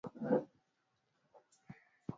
Jamhuri ya Afrika limeharibiwa na vita